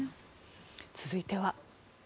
続いては。